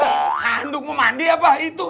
handuk memandai apa itu